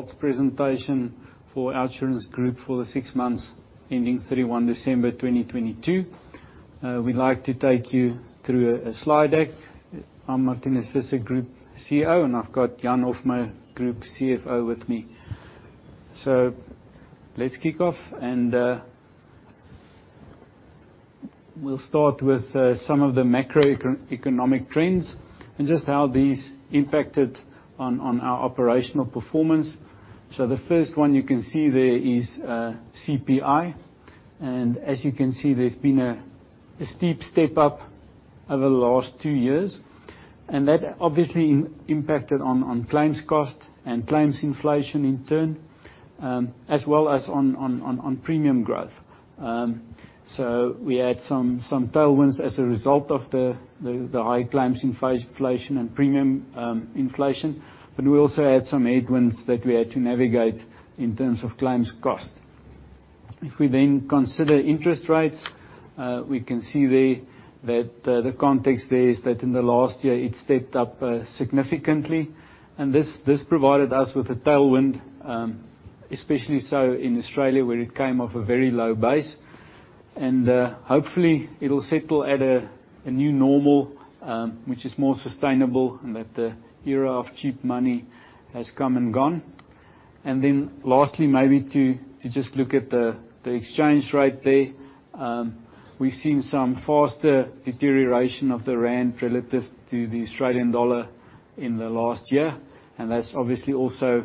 Results presentation for OUTsurance Group for the six months ending 31 December 2022. We'd like to take you through a slide deck. I'm Marthinus Visser, Group CEO, and I've got Jan Hofmeyr, Group CFO with me. Let's kick off, and we'll start with some of the macroeconomic trends and just how these impacted on our operational performance. The first one you can see there is CPI. As you can see, there's been a steep step up over the last two years, and that obviously impacted on claims cost and claims inflation in turn, as well as on premium growth. We had some tailwinds as a result of the high claims inflation and premium inflation, but we also had some headwinds that we had to navigate in terms of claims cost. If we then consider interest rates, we can see there that the context there is that in the last year, it stepped up significantly. This provided us with a tailwind, especially so in Australia where it came off a very low base. Hopefully it'll settle at a new normal, which is more sustainable and that the era of cheap money has come and gone. Lastly, maybe to just look at the exchange rate there. We've seen some faster deterioration of the rand relative to the Australian dollar in the last year, that's obviously also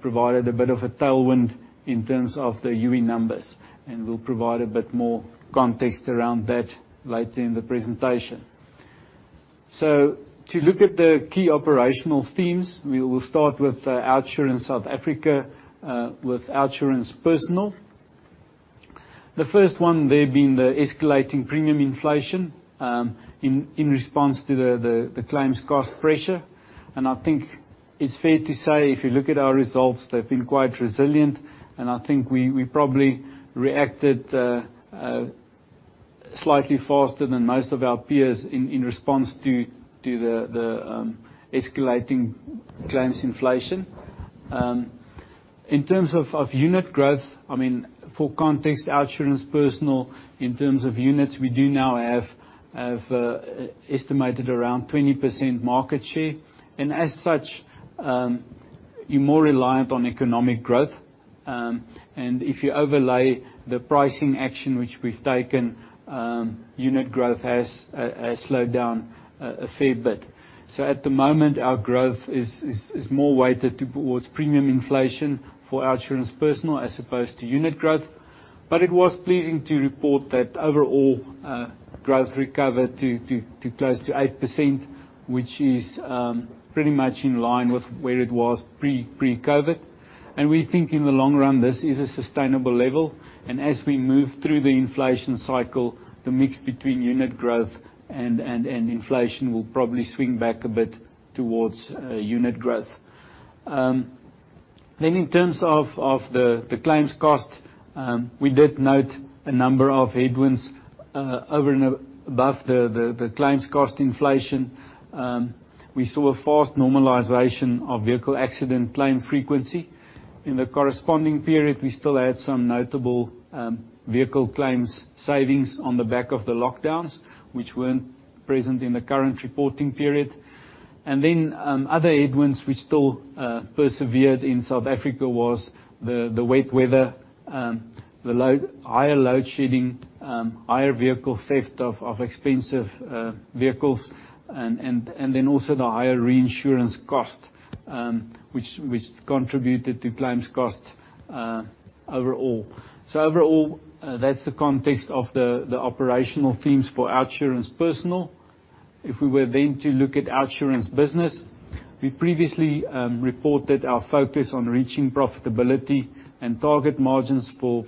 provided a bit of a tailwind in terms of the Youi numbers. We'll provide a bit more context around that later in the presentation. To look at the key operational themes, we will start with OUTsurance South Africa, with OUTsurance Personal. The first one there being the escalating premium inflation, in response to the claims cost pressure. I think it's fair to say if you look at our results, they've been quite resilient, I think we probably reacted slightly faster than most of our peers in response to the escalating claims inflation. In terms of unit growth, I mean, for context, OUTsurance Personal in terms of units, we do now have estimated around 20% market share. As such, you're more reliant on economic growth. If you overlay the pricing action which we've taken, unit growth has slowed down a fair bit. At the moment our growth is more weighted towards premium inflation for OUTsurance Personal as opposed to unit growth. It was pleasing to report that overall growth recovered to close to 8%, which is pretty much in line with where it was pre-COVID. We think in the long run this is a sustainable level. As we move through the inflation cycle, the mix between unit growth and inflation will probably swing back a bit towards unit growth. In terms of the claims cost, we did note a number of headwinds over and above the claims cost inflation. We saw a fast normalization of vehicle accident claim frequency. In the corresponding period we still had some notable vehicle claims savings on the back of the lockdowns which weren't present in the current reporting period. Other headwinds which still persevered in South Africa was the wet weather, the higher load shedding, higher vehicle theft of expensive vehicles and then also the higher reinsurance cost which contributed to claims cost overall. Overall, that's the context of the operational themes for OUTsurance Personal. If we were to look at OUTsurance Business, we previously reported our focus on reaching profitability and target margins for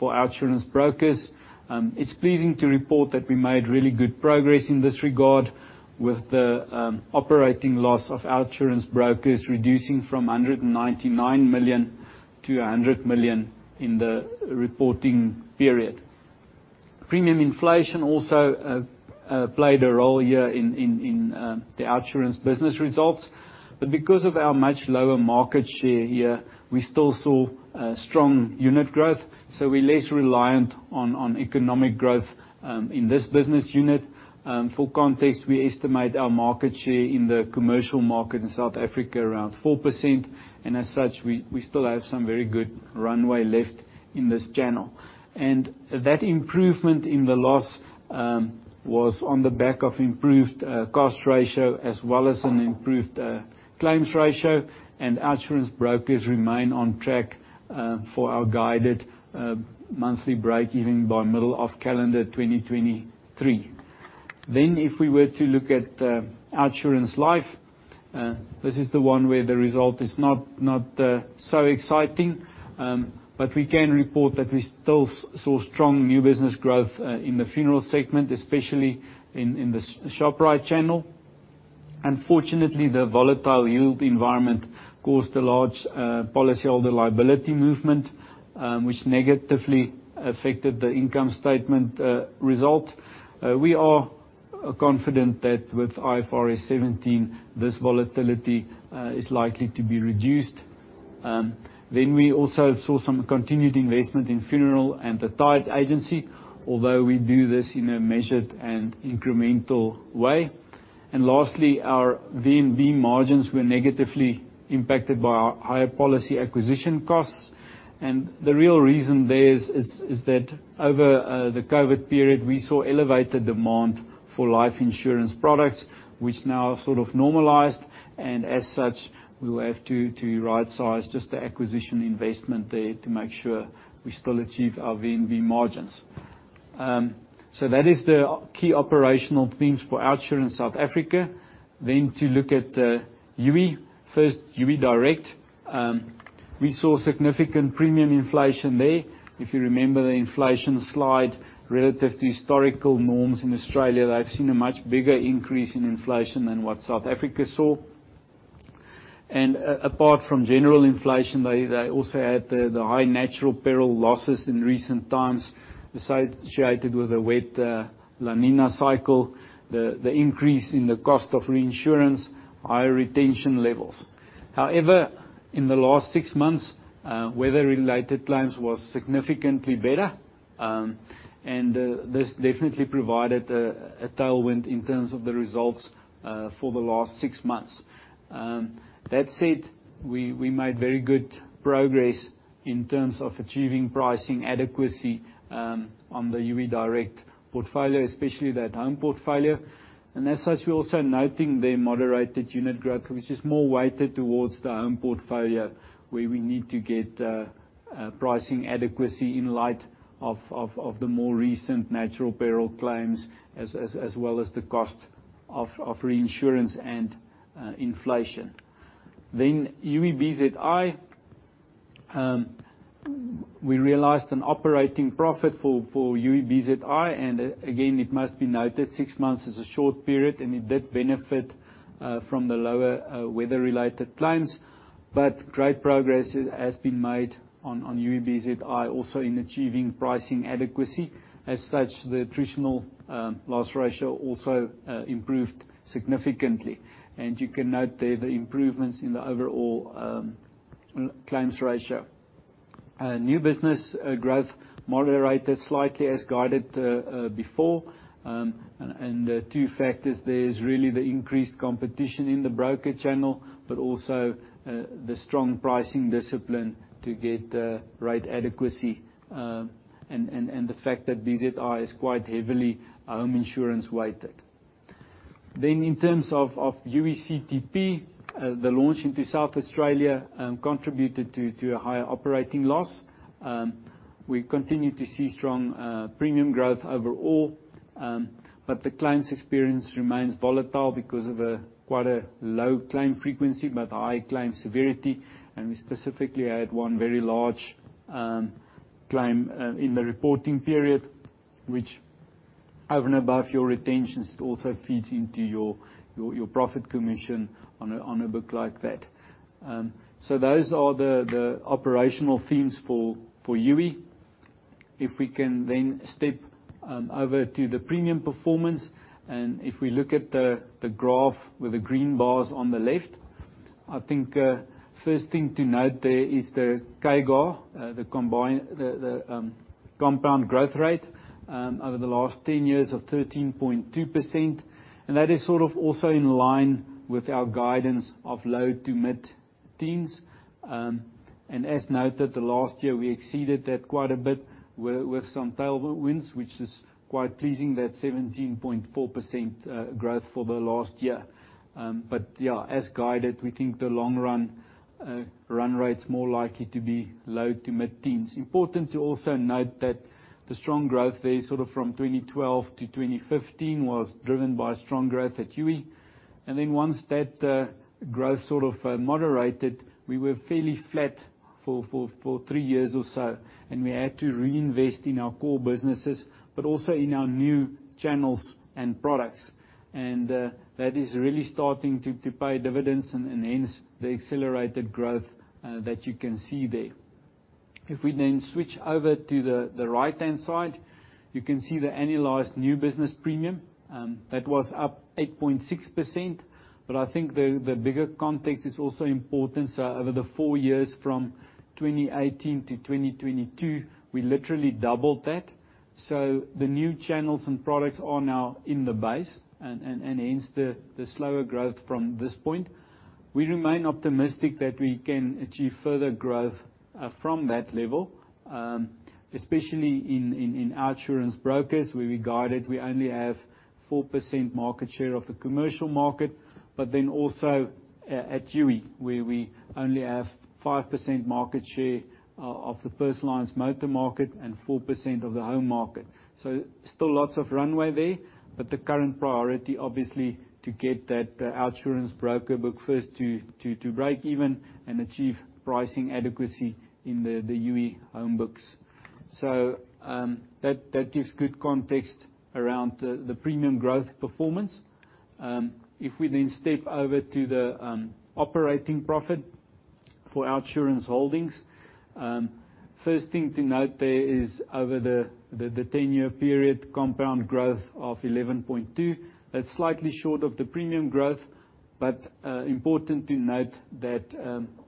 OUTsurance Brokers. It's pleasing to report that we made really good progress in this regard with the operating loss of OUTsurance Brokers reducing 199 million-100 million in the reporting period. Premium inflation also played a role here in the OUTsurance Business results. Because of our much lower market share here, we still saw strong unit growth, so we're less reliant on economic growth in this business unit. For context, we estimate our market share in the commercial market in South Africa around 4%, and as such we still have some very good runway left in this channel. That improvement in the loss was on the back of improved cost ratio as well as an improved claims ratio. OUTsurance Brokers remain on track for our guided monthly break even by middle of calendar 2023. If we were to look at OUTsurance Life, this is the one where the result is not so exciting. We can report that we still saw strong new business growth in the funeral segment, especially in the Shoprite channel. Unfortunately, the volatile yield environment caused a large policyholder liability movement, which negatively affected the income statement result. We are confident that with IFRS 17, this volatility is likely to be reduced. We also saw some continued investment in funeral and the tied agency, although we do this in a measured and incremental way. Lastly, our VNB margins were negatively impacted by our higher policy acquisition costs. The real reason there is that over the COVID period, we saw elevated demand for life insurance products, which now have sort of normalized. As such, we will have to right-size just the acquisition investment there to make sure we still achieve our VNB margins. That is the key operational themes for OUTsurance South Africa. To look at Youi. First, Youi Direct. We saw significant premium inflation there. If you remember the inflation slide relative to historical norms in Australia, they've seen a much bigger increase in inflation than what South Africa saw. Apart from general inflation, they also had the high natural peril losses in recent times associated with the wet La Niña cycle, the increase in the cost of reinsurance, higher retention levels. However, in the last six months, weather-related claims was significantly better, and this definitely provided a tailwind in terms of the results for the last six months. That said, we made very good progress in terms of achieving pricing adequacy on the Youi Direct portfolio, especially that home portfolio. As such, we're also noting their moderated unit growth, which is more weighted towards the home portfolio, where we need to get pricing adequacy in light of the more recent natural peril claims as well as the cost of reinsurance and inflation. Youi BZI. We realized an operating profit for Youi BZI. Again, it must be noted six months is a short period, and it did benefit from the lower weather-related claims. Great progress has been made on Youi BZI also in achieving pricing adequacy. As such, the attritional loss ratio also improved significantly. You can note there the improvements in the overall claims ratio. New business growth moderated slightly as guided before. Two factors there is really the increased competition in the broker channel, but also the strong pricing discipline to get the right adequacy, and the fact that BZI is quite heavily home insurance-weighted. In terms of Youi CTP, the launch into South Australia contributed to a higher operating loss. We continue to see strong premium growth overall, but the claims experience remains volatile because of a quite a low claim frequency but high claim severity. We specifically had one very large claim in the reporting period which over and above your retentions also feeds into your profit commission on a book like that. Those are the operational themes for Youi. We can step over to the premium performance. We look at the graph with the green bars on the left. I think first thing to note there is the CAGR, the compound growth rate, over the last 10 years of 13.2%. That is sort of also in line with our guidance of low to mid-teens. As noted, the last year we exceeded that quite a bit with some tailwinds which is quite pleasing, that 17.4% growth for the last year. Yeah, as guided, we think the long run run rate's more likely to be low to mid-teens. Important to also note that the strong growth there sort of from 2012-2015 was driven by strong growth at Youi. Once that growth sort of moderated, we were fairly flat for three years or so, we had to reinvest in our core businesses, but also in our new channels and products. That is really starting to pay dividends and hence the accelerated growth that you can see there. We switch over to the right-hand side, you can see the annualized new business premium that was up 8.6%. I think the bigger context is also important. Over the four years from 2018-2022, we literally doubled that. The new channels and products are now in the base and hence the slower growth from this point. We remain optimistic that we can achieve further growth from that level, especially in OUTsurance Insurance Brokers, where we guided we only have 4% market share of the commercial market. Also at Youi, where we only have 5% market share of the personal and motor market and 4% of the home market. Still lots of runway there, but the current priority, obviously, to get that OUTsurance Broker book first to break even and achieve pricing adequacy in the Youi home books. That gives good context around the premium growth performance. If we then step over to the operating profit for OUTsurance Holdings. First thing to note there is over the 10-year period compound growth of 11.2%, that's slightly short of the premium growth. Important to note that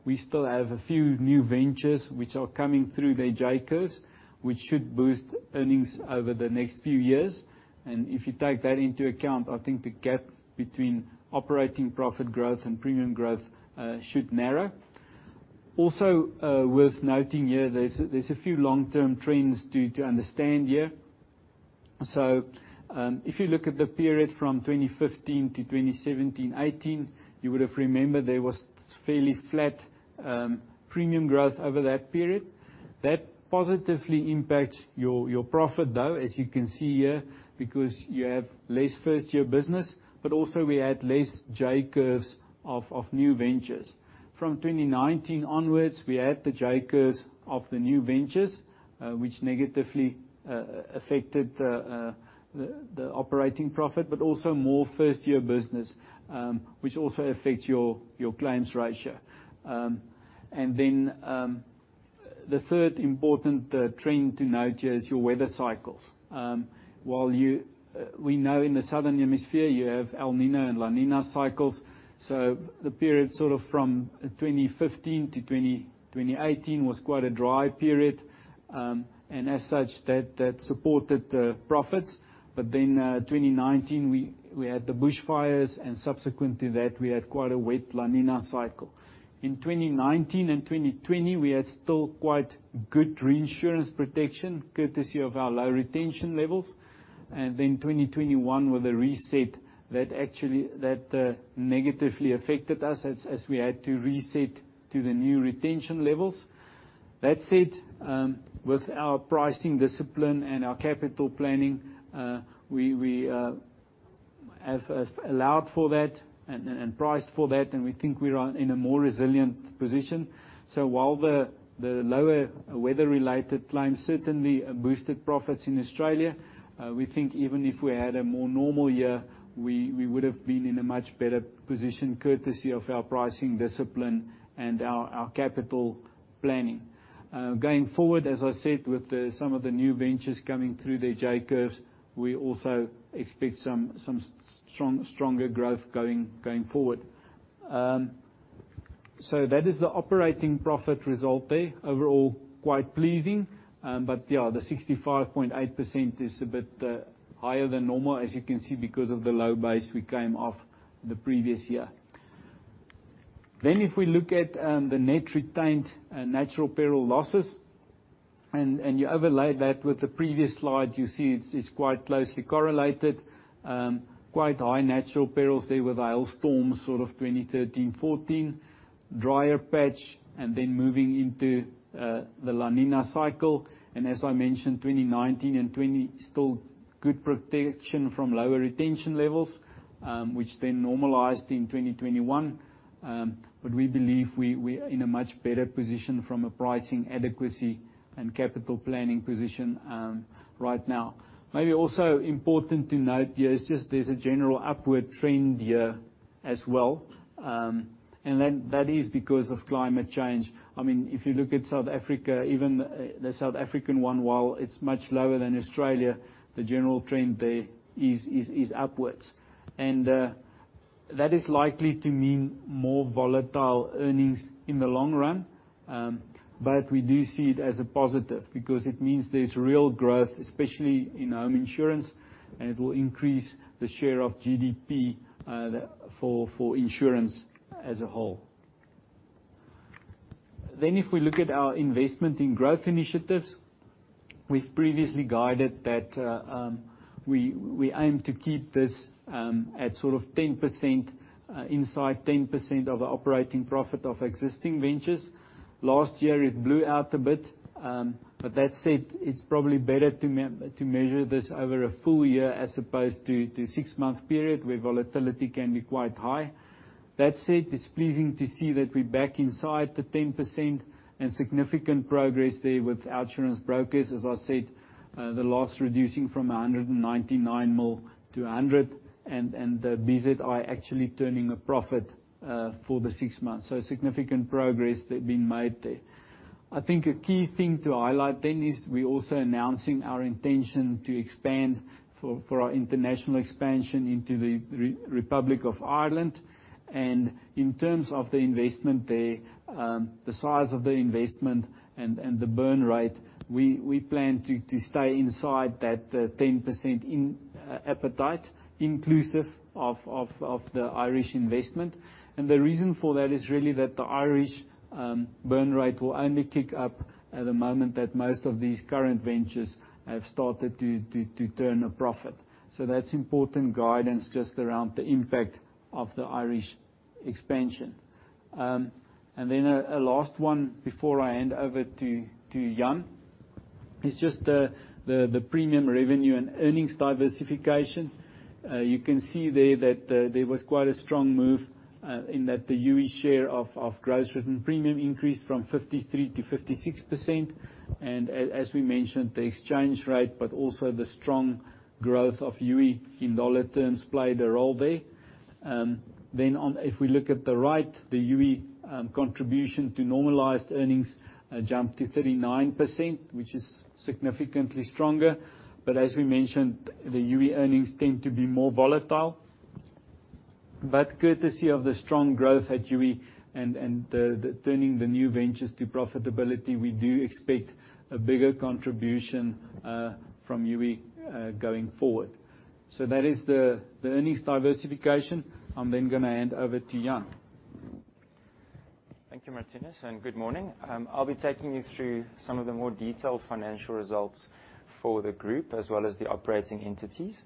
we still have a few new ventures which are coming through their J-curves, which should boost earnings over the next few years. If you take that into account, I think the gap between operating profit growth and premium growth should narrow. Worth noting here, there's a few long-term trends to understand here. If you look at the period from 2015-2017, 2018, you would have remembered there was fairly flat premium growth over that period. That positively impacts your profit though, as you can see here, because you have less first year business, but also we had less J-curves of new ventures. From 2019 onwards, we had the J-curve of the new ventures, which negatively affected the operating profit, but also more first year business, which also affects your claims ratio. The third important trend to note here is your weather cycles. While you, we know in the Southern Hemisphere, you have El Niño and La Niña cycles. The period sort of from 2015-2018 was quite a dry period. That supported the profits. 2019, we had the bushfires and subsequently that we had quite a wet La Niña cycle. In 2019 and 2020, we had still quite good reinsurance protection courtesy of our low retention levels. 2021 with a reset that actually negatively affected us as we had to reset to the new retention levels. That said, with our pricing discipline and our capital planning, we have allowed for that and priced for that, and we think we are in a more resilient position. While the lower weather-related claims certainly boosted profits in Australia, we think even if we had a more normal year, we would have been in a much better position courtesy of our pricing discipline and our capital planning. Going forward, as I said, with the some of the new ventures coming through their J-curves, we also expect stronger growth going forward. That is the operating profit result there. Overall, quite pleasing. The 65.8% is a bit higher than normal, as you can see, because of the low base we came off the previous year. If we look at the net retained natural peril losses, and you overlay that with the previous slide, you see it's quite closely correlated. Quite high natural perils there with hailstorms, sort of 2013, 2014. Drier patch, and then moving into the La Niña cycle. As I mentioned, 2019 and 2020, still good protection from lower retention levels, which then normalized in 2021. We believe we are in a much better position from a pricing adequacy and capital planning position right now. Maybe also important to note here is just there's a general upward trend here as well. That is because of climate change. I mean, if you look at South Africa, even the South African one, while it's much lower than Australia, the general trend there is upwards. That is likely to mean more volatile earnings in the long run. We do see it as a positive because it means there's real growth, especially in home insurance, and it will increase the share of GDP for insurance as a whole. If we look at our investment in growth initiatives, we've previously guided that we aim to keep this at sort of 10% inside 10% of operating profit of existing ventures. Last year, it blew out a bit. That said, it's probably better to measure this over a full year as opposed to a six-month period where volatility can be quite high. That said, it's pleasing to see that we're back inside the 10% and significant progress there with OUTsurance Brokers. As I said, the loss reducing from 199 million-100 million, and the BZI actually turning a profit for the six months. Significant progress that's been made there. I think a key thing to highlight is we're also announcing our intention to expand for our international expansion into the Republic of Ireland. In terms of the investment there, the size of the investment and the burn rate, we plan to stay inside that 10% in appetite inclusive of the Irish investment. The reason for that is really that the Irish burn rate will only kick up at the moment that most of these current ventures have started to turn a profit. That's important guidance just around the impact of the Irish expansion. Then a last one before I hand over to Jan. It's just the premium revenue and earnings diversification. You can see there that there was quite a strong move in that the Youi share of gross written premium increased from 53%-56%. As we mentioned, the exchange rate, but also the strong growth of Youi in dollar terms played a role there. Then if we look at the right, the Youi contribution to normalized earnings jumped to 39%, which is significantly stronger. As we mentioned, the Youi earnings tend to be more volatile. Courtesy of the strong growth at Youi and the turning the new ventures to profitability, we do expect a bigger contribution from Youi going forward. That is the earnings diversification. I'm going to hand over to Jan. Thank you, Marthinus, and good morning. I'll be taking you through some of the more detailed financial results for the group, as well as the operating entities.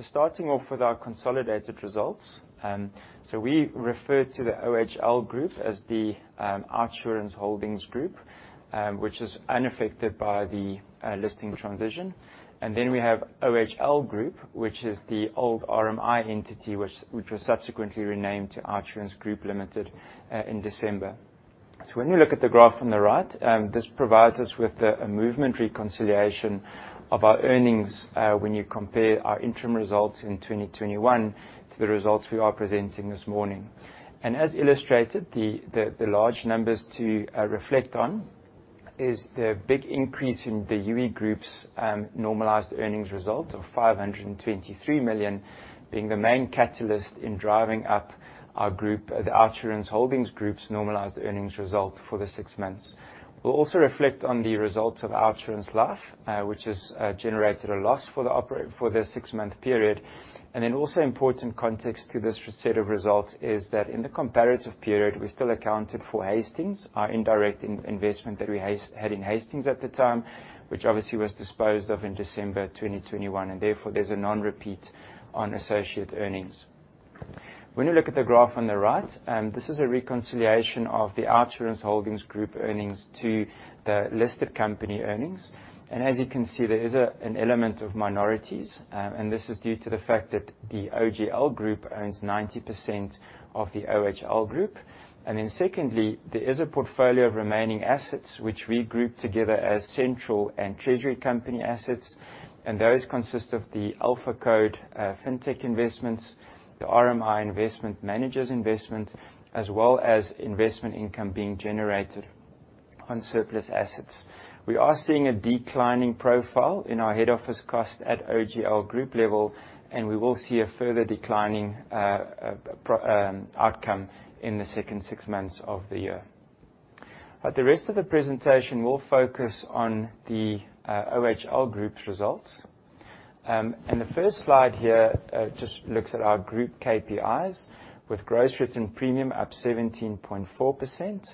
Starting off with our consolidated results. We refer to the OHL Group as the OUTsurance Holdings Group, which is unaffected by the listing transition. Then we have OHL Group, which is the old RMI entity, which was subsequently renamed to OUTsurance Group Limited in December. When you look at the graph on the right, this provides us with a movement reconciliation of our earnings, when you compare our interim results in 2021 to the results we are presenting this morning. As illustrated, the large numbers to reflect on is the big increase in the Youi Group's normalized earnings result of 523 million being the main catalyst in driving up our group, the OUTsurance Holdings Group's normalized earnings result for the six months. We'll also reflect on the results of OUTsurance Life, which has generated a loss for the six-month period. Also important context to this set of results is that in the comparative period, we still accounted for Hastings, our indirect investment that we had in Hastings at the time, which obviously was disposed of in December 2021, therefore, there's a non-repeat on associate earnings. When you look at the graph on the right, this is a reconciliation of the OUTsurance Holdings Group earnings to the listed company earnings. As you can see, there is an element of minorities, and this is due to the fact that the OGL Group owns 90% of the OHL Group. Secondly, there is a portfolio of remaining assets which we group together as central and treasury company assets. Those consist of the AlphaCode fintech investments, the RMI Investment Managers investment, as well as investment income being generated on surplus assets. We are seeing a declining profile in our head office cost at OGL Group level, and we will see a further declining outcome in the second six months of the year. The rest of the presentation will focus on the OHL Group's results. The first slide here just looks at our group KPIs with gross written premium up 17.4%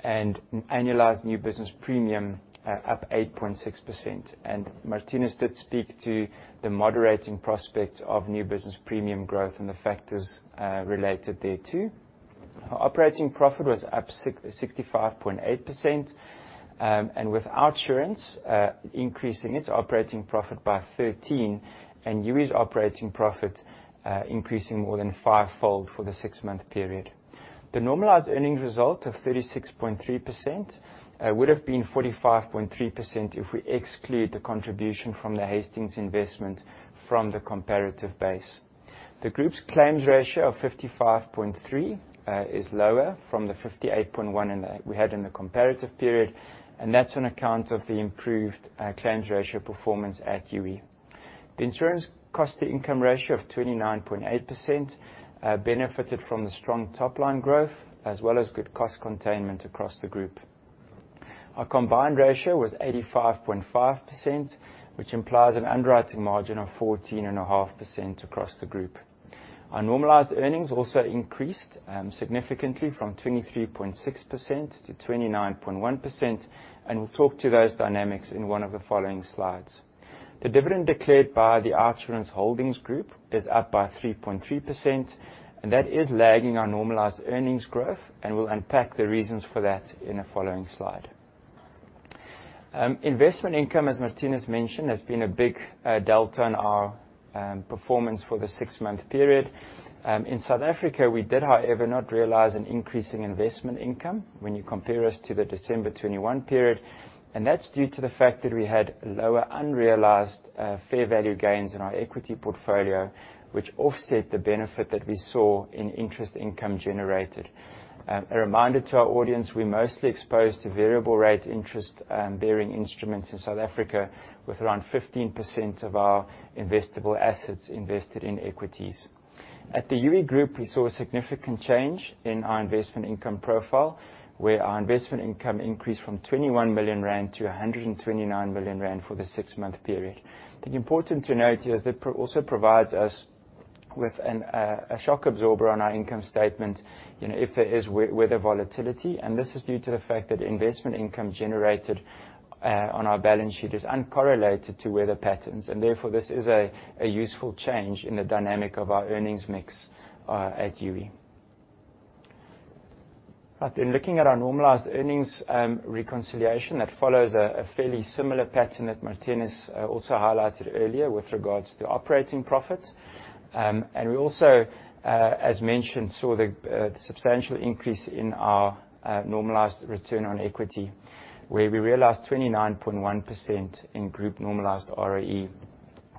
and annualized new business premium up 8.6%. Marthinus did speak to the moderating prospects of new business premium growth and the factors related thereto. Our operating profit was up 665.8%, and with OUTsurance increasing its operating profit by 13%, and Youi's operating profit increasing more than fivefold for the six-month period. The normalized earnings result of 36.3% would've been 45.3% if we exclude the contribution from the Hastings investment from the comparative base. The group's claims ratio of 55.3% is lower from the 58.1% we had in the comparative period, and that's on account of the improved claims ratio performance at Youi. The insurance cost to income ratio of 29.8% benefited from the strong top-line growth as well as good cost containment across the group. Our combined ratio was 85.5%, which implies an underwriting margin of 14.5% across the group. Our normalized earnings also increased significantly from 23.6% to 29.1%. We'll talk to those dynamics in one of the following slides. The dividend declared by the OUTsurance Holdings Group is up by 3.3%. That is lagging our normalized earnings growth. We'll unpack the reasons for that in a following slide. Investment income, as Marthinus mentioned, has been a big delta in our performance for the six-month period. In South Africa, we did, however, not realize an increase in investment income when you compare us to the December 2021 period, and that's due to the fact that we had lower unrealized fair value gains in our equity portfolio, which offset the benefit that we saw in interest income generated. A reminder to our audience, we're mostly exposed to variable rate interest bearing instruments in South Africa with around 15% of our investable assets invested in equities. At the Youi Group, we saw a significant change in our investment income profile, where our investment income increased from 21 million-129 million rand for the six-month period. The important to note here is that also provides us with a shock absorber on our income statement, you know, if there is weather volatility, and this is due to the fact that investment income generated on our balance sheet is uncorrelated to weather patterns. Therefore, this is a useful change in the dynamic of our earnings mix at Youi. In looking at our normalized earnings reconciliation, that follows a fairly similar pattern that Martinus also highlighted earlier with regards to operating profit. We also, as mentioned, saw the substantial increase in our normalized return on equity, where we realized 29.1% in Group normalized ROE.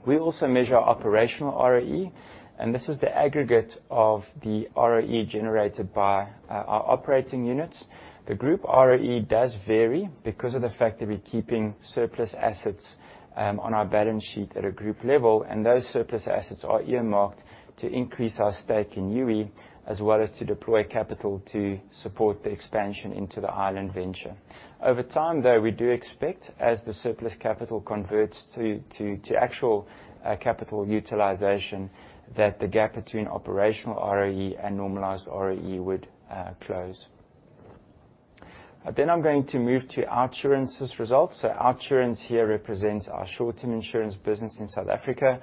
We also measure operational ROE, and this is the aggregate of the ROE generated by our operating units. The group ROE does vary because of the fact that we're keeping surplus assets on our balance sheet at a group level, and those surplus assets are earmarked to increase our stake in Youi, as well as to deploy capital to support the expansion into the island venture. Over time, though, we do expect, as the surplus capital converts to actual capital utilization, that the gap between operational ROE and normalized ROE would close. I'm going to move to OUTsurance's results. OUTsurance here represents our short-term insurance business in South Africa.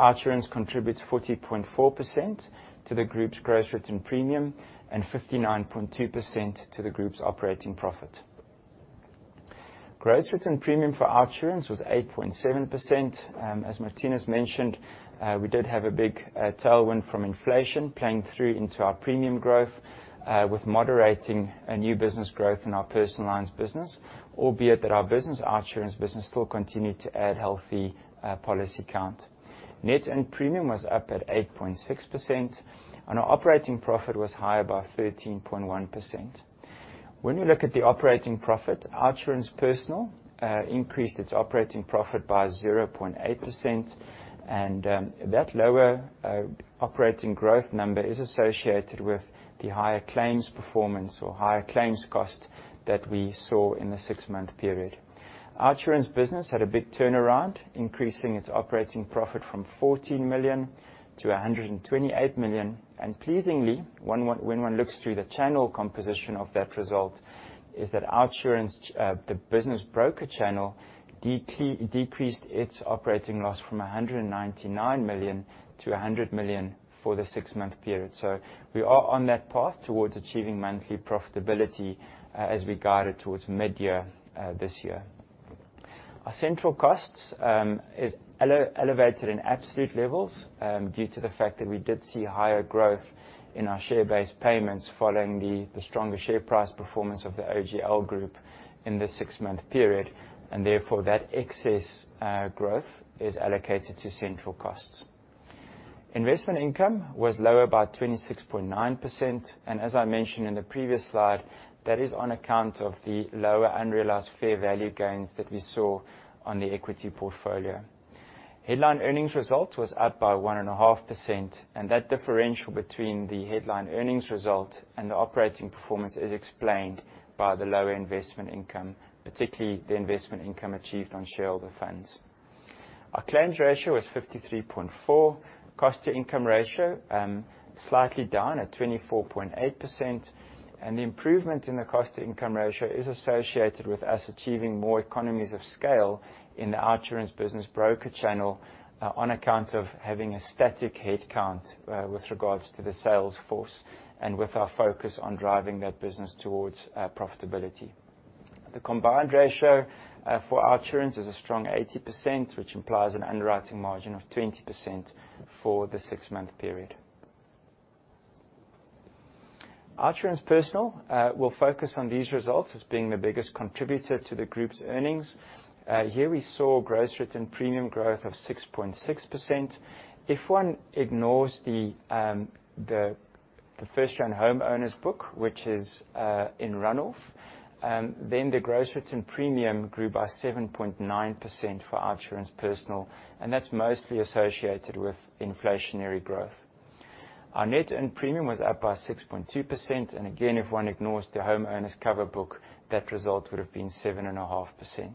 OUTsurance contributes 40.4% to the group's gross written premium and 59.2% to the group's operating profit. Gross written premium for OUTsurance was 8.7%. As Marthinus mentioned, we did have a big tailwind from inflation playing through into our premium growth, with moderating a new business growth in our personal lines business, albeit that our OUTsurance Business still continued to add healthy policy count. Net and premium was up at 8.6%. Our operating profit was higher by 13.1%. When you look at the operating profit, OUTsurance Personal increased its operating profit by 0.8%. That lower operating growth number is associated with the higher claims performance or higher claims cost that we saw in the six-month period. OUTsurance Business had a big turnaround, increasing its operating profit from 14 million-128 million. Pleasingly, when one looks through the channel composition of that result, is that OUTsurance, the business broker channel decreased its operating loss from 199 million-100 million for the six-month period. We are on that path towards achieving monthly profitability as we guided towards midyear this year. Our central costs is elevated in absolute levels due to the fact that we did see higher growth in our share-based payments following the stronger share price performance of the OGL group in the six-month period, and therefore that excess growth is allocated to central costs. Investment income was lower by 26.9%, as I mentioned in the previous slide, that is on account of the lower unrealized fair value gains that we saw on the equity portfolio. Headline earnings result was up by 1.5%. That differential between the headline earnings result and the operating performance is explained by the lower investment income, particularly the investment income achieved on shareholder funds. Our claims ratio was 53.4%. Cost to income ratio, slightly down at 24.8%. The improvement in the cost to income ratio is associated with us achieving more economies of scale in the OUTsurance Business broker channel on account of having a static headcount with regards to the sales force and with our focus on driving that business towards profitability. The combined ratio for OUTsurance is a strong 80%, which implies an underwriting margin of 20% for the six-month period. OUTsurance Personal. We'll focus on these results as being the biggest contributor to the group's earnings. Here we saw gross written premium growth of 6.6%. If one ignores the first-gen homeowners book, which is in run-off, then the gross written premium grew by 7.9% for OUTsurance Personal, and that's mostly associated with inflationary growth. Our net earned premium was up by 6.2%. Again, if one ignores the homeowners cover book, that result would have been 7.5%.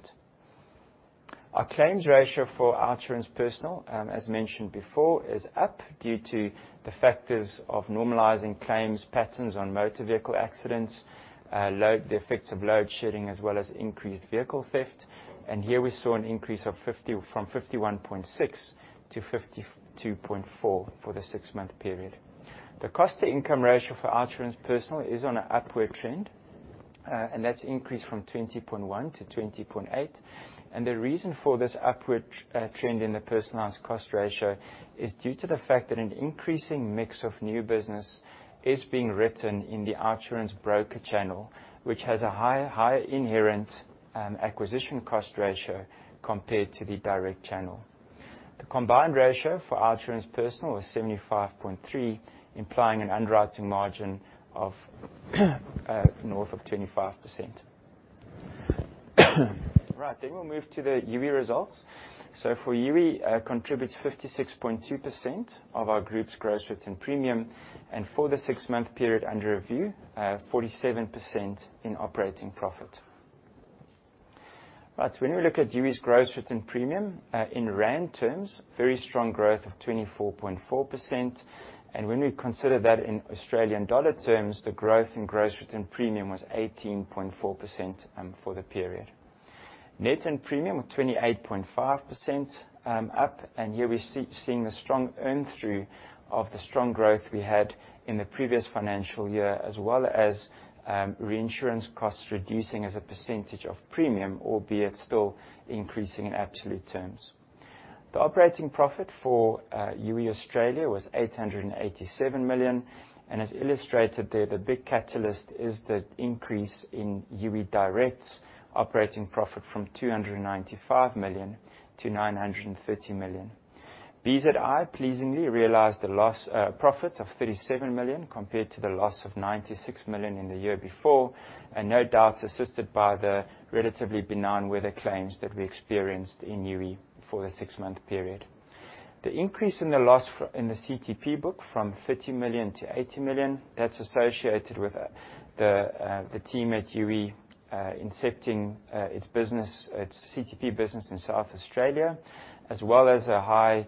Our claims ratio for OUTsurance Personal, as mentioned before, is up due to the factors of normalizing claims patterns on motor vehicle accidents, the effects of load shedding, as well as increased vehicle theft. Here we saw an increase from 51.6% to 52.4% for the six-month period. The cost to income ratio for OUTsurance Personal is on a upward trend, and that's increased from 20.1%-20.8%. The reason for this upward trend in the personalized cost ratio is due to the fact that an increasing mix of new business is being written in the OUTsurance Brokers channel, which has a high inherent acquisition cost ratio compared to the direct channel. The combined ratio for OUTsurance Personal was 75.3%, implying an underwriting margin of north of 25%. Right. We'll move to the Youi results. For Youi contributes 56.2% of our group's gross written premium, and for the six-month period under review, 47% in operating profit. When we look at Youi's gross written premium, in Rand terms, very strong growth of 24.4%. When we consider that in Australian dollar terms, the growth in gross written premium was 18.4% for the period. Net earned premium, 28.5% up, and here we seeing the strong earn through of the strong growth we had in the previous financial year, as well as reinsurance costs reducing as a percentage of premium, albeit still increasing in absolute terms. The operating profit for Youi Australia was 887 million, and as illustrated there, the big catalyst is the increase in Youi Direct's operating profit from 295 million-930 million. BZI pleasingly realized a loss, profit of 37 million compared to the loss of 96 million in the year before. No doubt assisted by the relatively benign weather claims that we experienced in Youi for the six-month period. The increase in the loss for, in the CTP book from 30 million to 80 million, that's associated with the team at Youi incepting its business, its CTP business in South Australia, as well as a high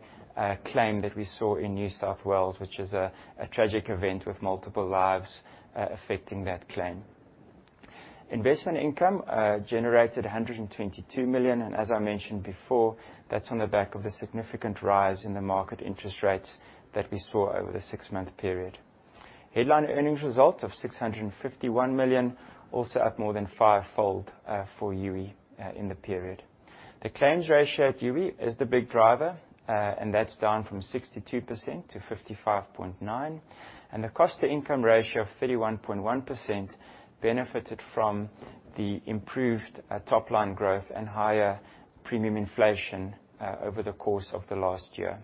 claim that we saw in New South Wales, which is a tragic event with multiple lives affecting that claim. Investment income generated 122 million, and as I mentioned before, that's on the back of the significant rise in the market interest rates that we saw over the six-month period. Headline earnings results of 651 million, also up more than five-fold for Youi in the period. The claims ratio at Youi is the big driver, and that's down from 62%-55.9%. The cost-to-income ratio of 31.1% benefited from the improved top-line growth and higher premium inflation over the course of the last year.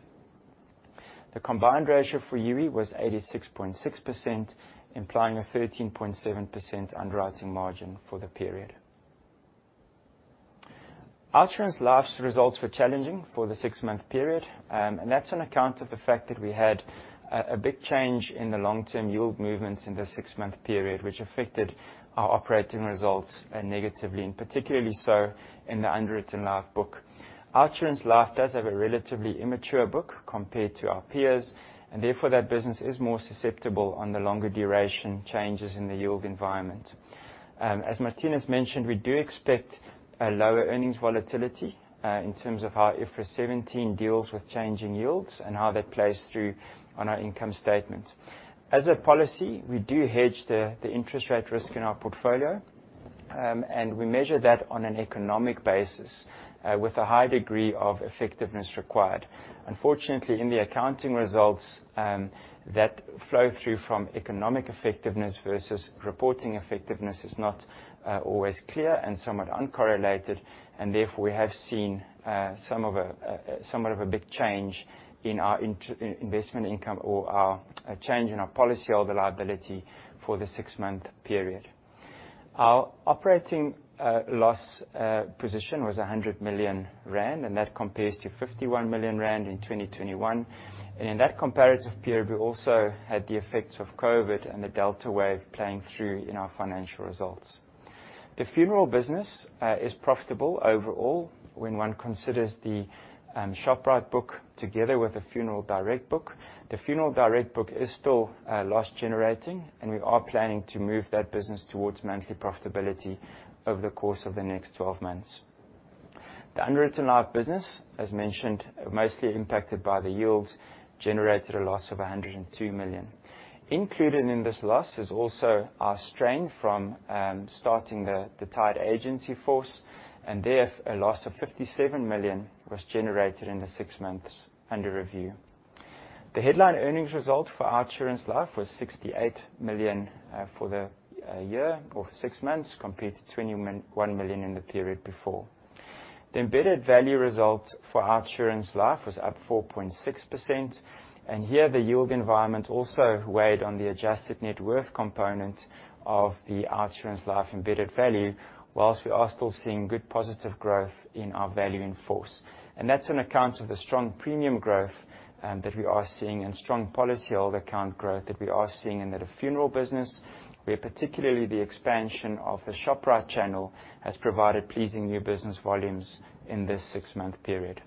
The combined ratio for Youi was 86.6%, implying a 13.7% underwriting margin for the period. OUTsurance Life's results were challenging for the six-month period. That's on account of the fact that we had a big change in the long-term yield movements in the six-month period which affected our operating results negatively, and particularly so in the underwritten life book. OUTsurance Life does have a relatively immature book compared to our peers, and therefore that business is more susceptible on the longer duration changes in the yield environment. As Marthinus mentioned, we do expect a lower earnings volatility in terms of how IFRS 17 deals with changing yields and how that plays through on our income statement. As a policy, we do hedge the interest rate risk in our portfolio. We measure that on an economic basis with a high degree of effectiveness required. Unfortunately, in the accounting results, that flow through from economic effectiveness versus reporting effectiveness is not always clear and somewhat uncorrelated. Therefore, we have seen some of a somewhat of a big change in our investment income or a change in our policyholder liability for the six-month period. Our operating loss position was 100 million rand, and that compares to 51 million rand in 2021. In that comparative period, we also had the effects of COVID and the Delta wave playing through in our financial results. The funeral business is profitable overall when one considers the Shoprite book together with the Funeral Direct book. The Funeral Direct book is still loss generating, and we are planning to move that business towards monthly profitability over the course of the next 12 months. The unwritten life business, as mentioned, mostly impacted by the yields, generated a loss of 102 million. Included in this loss is also our strain from starting the tied agency force, and therefore a loss of 57 million was generated in the six months under review. The headline earnings result for our OUTsurance Life was 68 million for the year or six months, compared to 20 million, 1 million in the period before. The embedded value result for OUTsurance Life was up 4.6%. Here the yield environment also weighed on the adjusted net worth component of the OUTsurance Life embedded value, whilst we are still seeing good positive growth in our value in force. That's on account of the strong premium growth that we are seeing and strong policyholder account growth that we are seeing in the funeral business, where particularly the expansion of the Shoprite channel has provided pleasing new business volumes in this six-month period.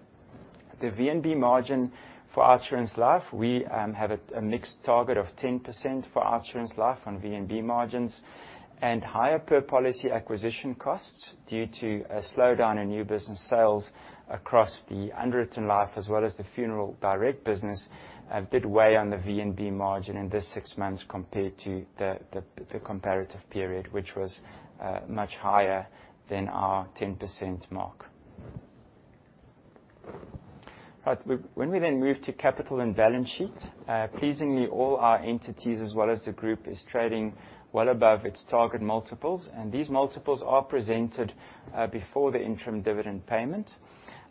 The VNB margin for OUTsurance Life, we have a mixed target of 10% for OUTsurance Life on VNB margins and higher per policy acquisition costs due to a slowdown in new business sales across the unwritten life as well as the Funeral Direct business did weigh on the VNB margin in this six months compared to the comparative period, which was much higher than our 10% mark. When we then move to capital and balance sheet, pleasingly, all our entities as well as the group is trading well above its target multiples, and these multiples are presented before the interim dividend payment.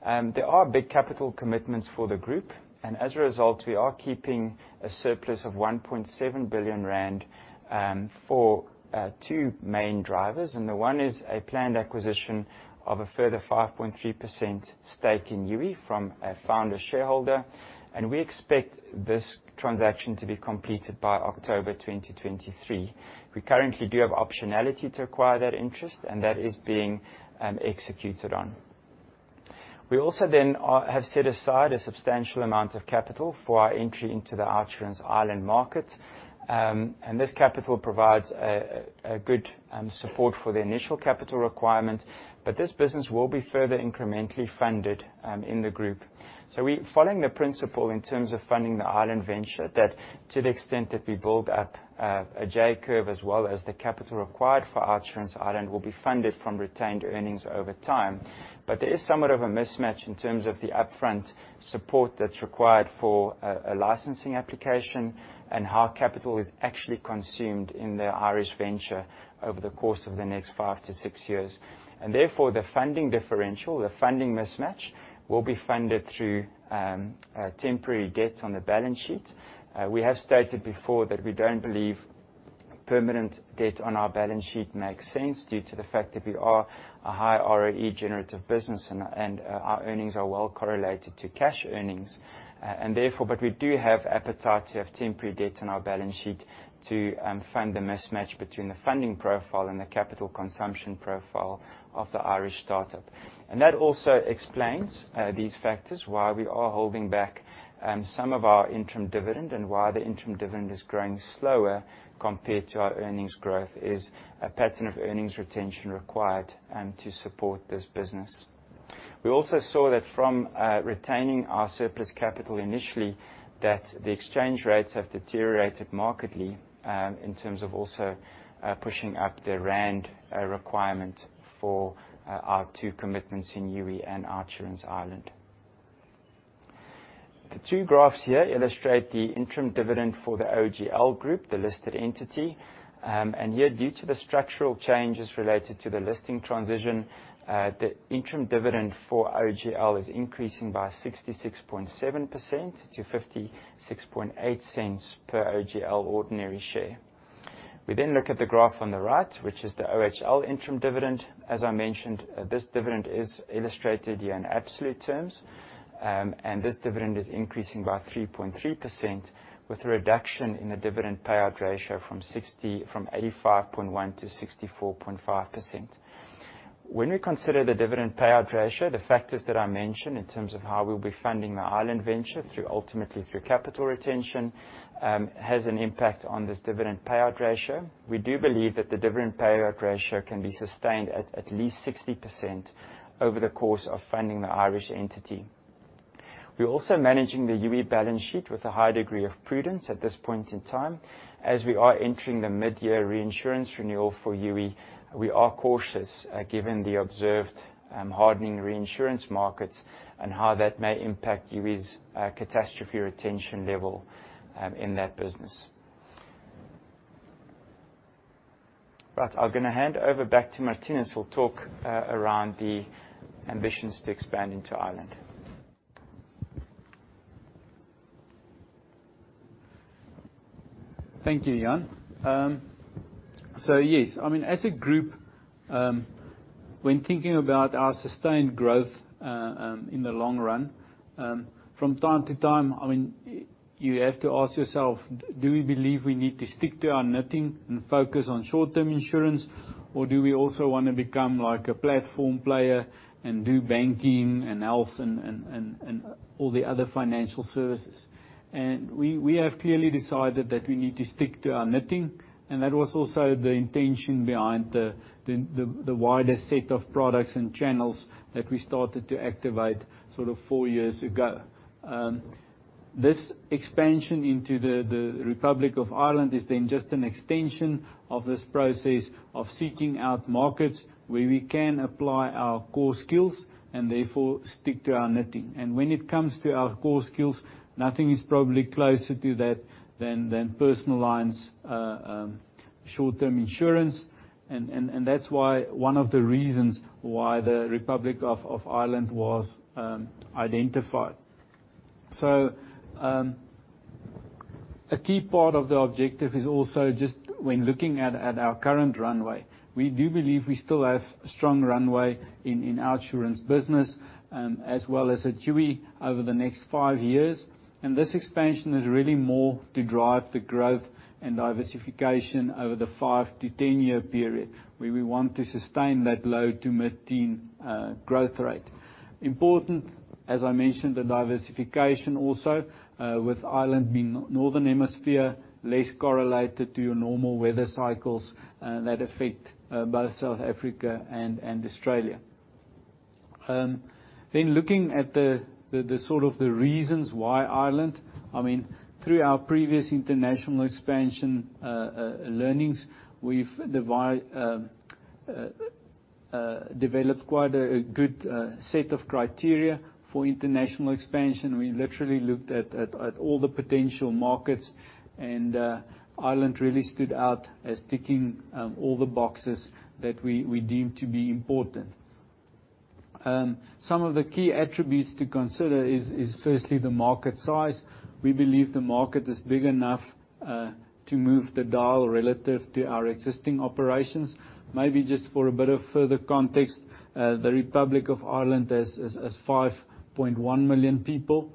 There are big capital commitments for the group, and as a result, we are keeping a surplus of 1.7 billion rand for two main drivers. The one is a planned acquisition of a further 5.3% stake in Youi from a founder shareholder, and we expect this transaction to be completed by October 2023. We currently do have optionality to acquire that interest, and that is being executed on. We also then have set aside a substantial amount of capital for our entry into the OUTsurance Ireland market. This capital provides a good support for the initial capital requirement, but this business will be further incrementally funded in the group. We're following the principle in terms of funding the island venture that to the extent that we build up a J-curve, as well as the capital required for OUTsurance Ireland will be funded from retained earnings over time. There is somewhat of a mismatch in terms of the upfront support that's required for a licensing application and how capital is actually consumed in the Irish venture over the course of the next five to six years. Therefore, the funding differential, the funding mismatch, will be funded through temporary debt on the balance sheet. We have stated before that we don't believe permanent debt on our balance sheet makes sense due to the fact that we are a high ROE generative business, and our earnings are well correlated to cash earnings. Therefore, but we do have appetite to have temporary debt on our balance sheet to fund the mismatch between the funding profile and the capital consumption profile of the Irish startup. That also explains these factors, why we are holding back some of our interim dividend and why the interim dividend is growing slower compared to our earnings growth, is a pattern of earnings retention required to support this business. We also saw that from retaining our surplus capital initially, that the exchange rates have deteriorated markedly in terms of also pushing up the rand requirement for our two commitments in Youi and OUTsurance Ireland. The two graphs here illustrate the interim dividend for the OGL Group, the listed entity. Here, due to the structural changes related to the listing transition, the interim dividend for OGL is increasing by 66.7% to 0.568 per OGL ordinary share. We look at the graph on the right, which is the OHL interim dividend. As I mentioned, this dividend is illustrated here in absolute terms. This dividend is increasing by 3.3% with a reduction in the dividend payout ratio from 85.1%-64.5%. When we consider the dividend payout ratio, the factors that I mentioned in terms of how we'll be funding the Ireland venture through, ultimately through capital retention, has an impact on this dividend payout ratio. We do believe that the dividend payout ratio can be sustained at least 60% over the course of funding the Irish entity. We're also managing the Youi balance sheet with a high degree of prudence at this point in time. As we are entering the mid-year reinsurance renewal for Youi, we are cautious, given the observed hardening reinsurance markets and how that may impact Youi's catastrophe retention level in that business. Right. I'm gonna hand over back to Marthinus, who'll talk around the ambitions to expand into Ireland. Thank you, Jan. Yes. I mean, as a group, when thinking about our sustained growth in the long run, from time to time, I mean, you have to ask yourself, do we believe we need to stick to our knitting and focus on short-term insurance, or do we also wanna become like a platform player and do banking and health and all the other financial services? We have clearly decided that we need to stick to our knitting, and that was also the intention behind the wider set of products and channels that we started to activate sort of four years ago. This expansion into the Republic of Ireland is then just an extension of this process of seeking out markets where we can apply our core skills and therefore stick to our knitting. When it comes to our core skills, nothing is probably closer to that than personal lines short-term insurance. That's why one of the reasons why the Republic of Ireland was identified. A key part of the objective is also just when looking at our current runway. We do believe we still have strong runway in our insurance business, as well as at QE over the next five years. This expansion is really more to drive the growth and diversification over the five to 10 year period, where we want to sustain that low to mid-teen growth rate. Important, as I mentioned, the diversification also, with Ireland being Northern Hemisphere, less correlated to your normal weather cycles that affect both South Africa and Australia. Looking at the sort of the reasons why Ireland. I mean, through our previous international expansion learnings, we've developed quite a good set of criteria for international expansion. We literally looked at all the potential markets, Ireland really stood out as ticking all the boxes that we deemed to be important. Some of the key attributes to consider is firstly the market size. We believe the market is big enough to move the dial relative to our existing operations. Maybe just for a bit of further context, the Republic of Ireland has 5.1 million people.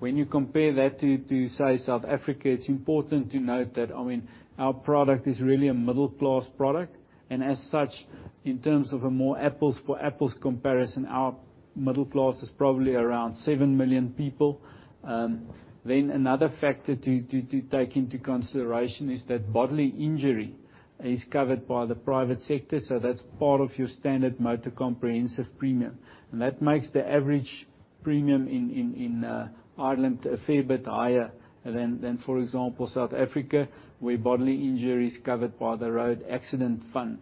When you compare that to say South Africa, it's important to note that, I mean, our product is really a middle-class product. As such, in terms of a more apples for apples comparison, our middle class is probably around 7 million people. Another factor to take into consideration is that bodily injury is covered by the private sector, so that's part of your standard motor comprehensive premium. That makes the average premium in Ireland a fair bit higher than, for example, South Africa, where bodily injury is covered by the Road Accident Fund.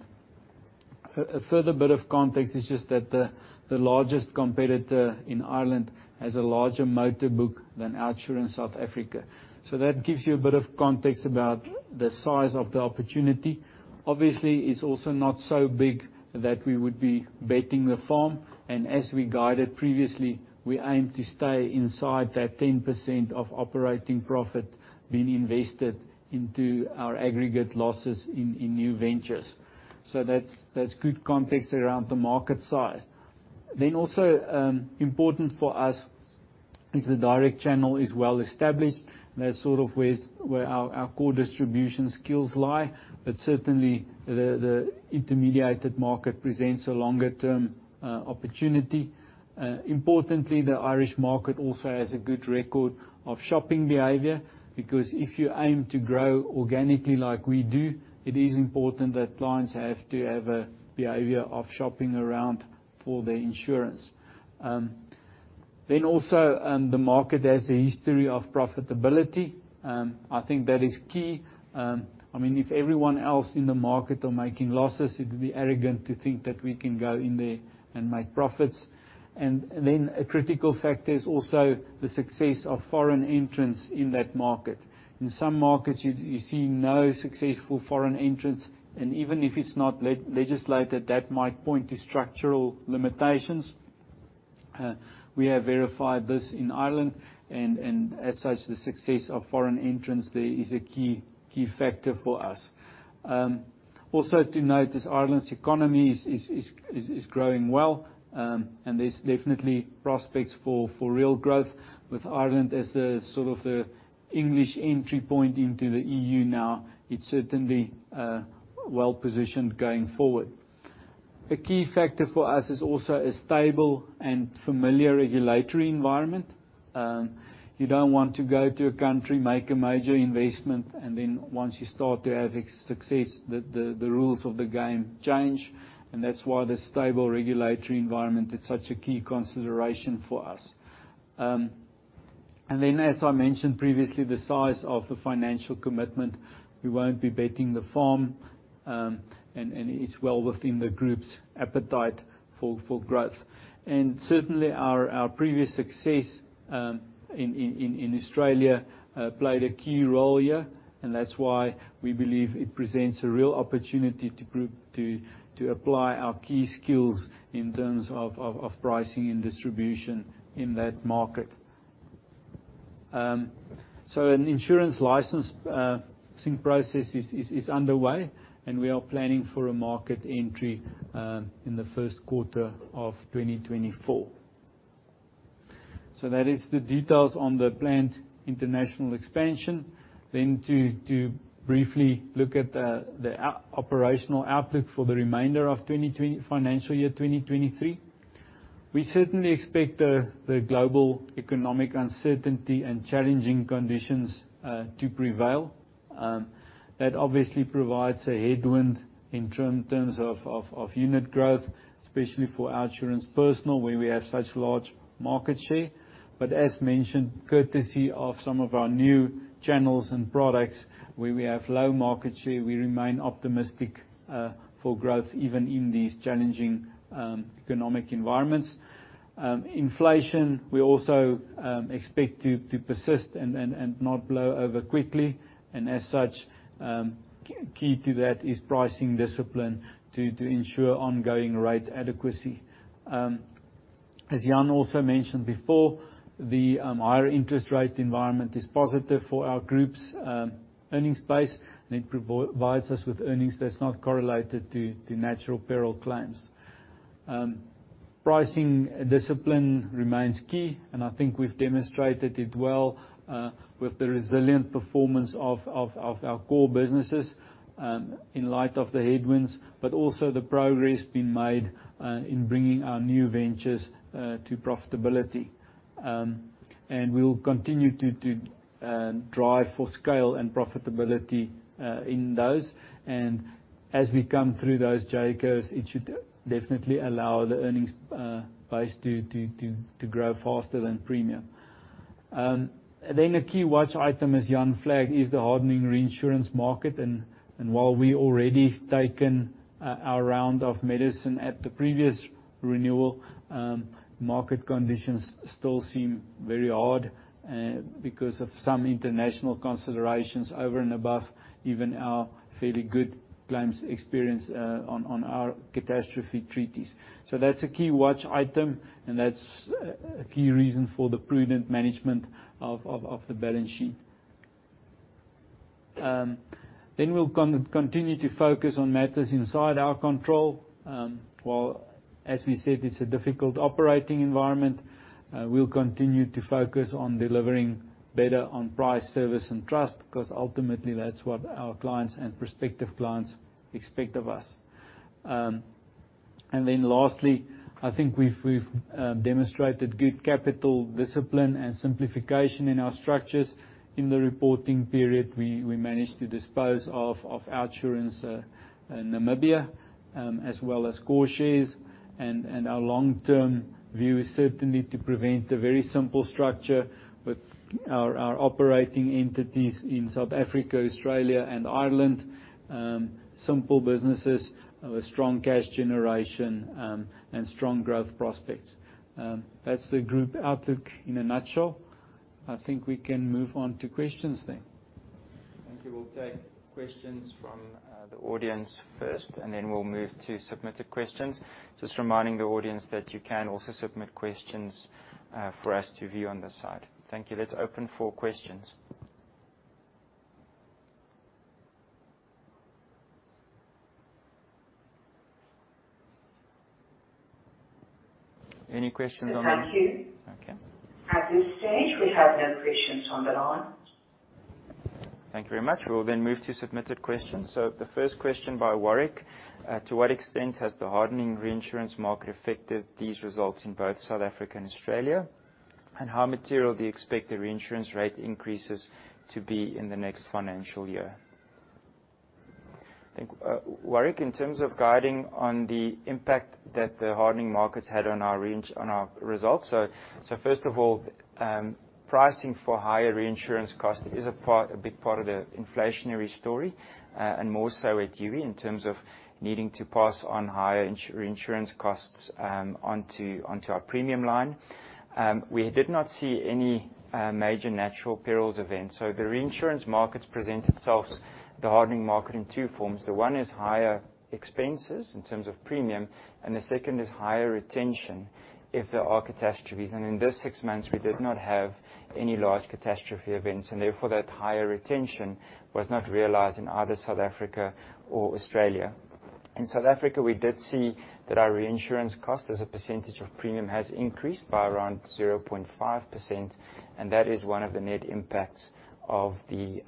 A further bit of context is just that the largest competitor in Ireland has a larger motor book than OUTsurance in South Africa. That gives you a bit of context about the size of the opportunity. Obviously, it's also not so big that we would be betting the farm. As we guided previously, we aim to stay inside that 10% of operating profit being invested into our aggregate losses in new ventures. That's good context around the market size. Also, important for us is the direct channel is well established. That's sort of where our core distribution skills lie. Certainly, the intermediated market presents a longer-term opportunity. Importantly, the Irish market also has a good record of shopping behavior, because if you aim to grow organically like we do, it is important that clients have to have a behavior of shopping around for their insurance. Also, the market has a history of profitability, I think that is key. I mean, if everyone else in the market are making losses, it would be arrogant to think that we can go in there and make profits. A critical factor is also the success of foreign entrants in that market. In some markets, you see no successful foreign entrants, and even if it's not legislated, that might point to structural limitations. We have verified this in Ireland, and as such, the success of foreign entrants there is a key factor for us. Also to note is Ireland's economy is growing well, and there's definitely prospects for real growth with Ireland as the sort of the English entry point into the E.U. now. It's certainly well-positioned going forward. A key factor for us is also a stable and familiar regulatory environment. You don't want to go to a country, make a major investment, and then once you start to have success, the rules of the game change. That's why the stable regulatory environment is such a key consideration for us. As I mentioned previously, the size of the financial commitment, we won't be betting the farm, and it's well within the group's appetite for growth. Certainly our previous success in Australia played a key role here, and that's why we believe it presents a real opportunity to group to apply our key skills in terms of pricing and distribution in that market. An insurance license sync process is underway, and we are planning for a market entry in the first quarter of 2024. That is the details on the planned international expansion. To briefly look at the operational outlook for the remainder of financial year 2023. We certainly expect the global economic uncertainty and challenging conditions to prevail. That obviously provides a headwind in terms of unit growth, especially for OUTsurance Personal, where we have such large market share. As mentioned, courtesy of some of our new channels and products where we have low market share, we remain optimistic for growth even in these challenging economic environments. Inflation, we also expect to persist and not blow over quickly. As such, key to that is pricing discipline to ensure ongoing rate adequacy. As Jan also mentioned before, the higher interest rate environment is positive for our Group's earnings base, and it provides us with earnings that's not correlated to natural peril claims. Pricing discipline remains key, and I think we've demonstrated it well with the resilient performance of our core businesses in light of the headwinds, but also the progress being made in bringing our new ventures to profitability. We will continue to drive for scale and profitability in those. As we come through those J-curves, it should definitely allow the earnings base to grow faster than premium. A key watch item as Jan flagged is the hardening reinsurance market. While we already taken our round of medicine at the previous renewal, market conditions still seem very hard because of some international considerations over and above even our fairly good claims experience on our catastrophe treaties. That's a key watch item, and that's a key reason for the prudent management of the balance sheet. We'll continue to focus on matters inside our control. While as we said, it's a difficult operating environment, we'll continue to focus on delivering better on price, service, and trust, 'cause ultimately, that's what our clients and prospective clients expect of us. Lastly, I think we've demonstrated good capital discipline and simplification in our structures. In the reporting period, we managed to dispose off OUTsurance in Namibia, as well as Coreshares. Our long-term view is certainly to prevent a very simple structure with our operating entities in South Africa, Australia and Ireland. Simple businesses with strong cash generation, and strong growth prospects. That's the group outlook in a nutshell. I think we can move on to questions then. Thank you. We'll take questions from the audience first, and then we'll move to submitted questions. Just reminding the audience that you can also submit questions for us to view on this side. Thank you. Let's open for questions. Any questions on that? Thank you. Okay. At this stage, we have no questions on the line. Thank you very much. We will then move to submitted questions. The first question by Warwick: To what extent has the hardening reinsurance market affected these results in both South Africa and Australia? And how material do you expect the reinsurance rate increases to be in the next financial year? I think Warwick, in terms of guiding on the impact that the hardening markets had on our results, so first of all, pricing for higher reinsurance cost is a part, a big part of the inflationary story. More so at Youi in terms of needing to pass on higher reinsurance costs onto our premium line. We did not see any major natural perils events. The reinsurance markets present itself, the hardening market, in two forms. The one is higher expenses in terms of premium, and the second is higher retention if there are catastrophes. In this six months, we did not have any large catastrophe events, and therefore that higher retention was not realized in either South Africa or Australia. In South Africa, we did see that our reinsurance cost as a percentage of premium has increased by around 0.5%, that is one of the net impacts of the